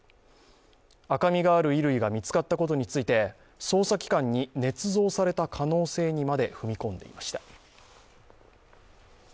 赤みがある衣類が見つかったことについて捜査機関にねつ造された可能性にまで踏み込んでいました。